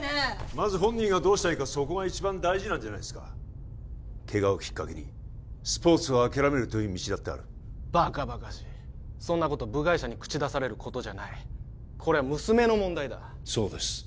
まず本人がどうしたいかそこが一番大事なんじゃないですかケガをきっかけにスポーツを諦めるという道だってあるバカバカしいそんなこと部外者に口出されることじゃないこれは娘の問題だそうです